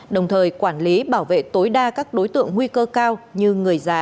đồng thời quản lý bảo vệ tối đa các đối tượng nguy cơ cao như người già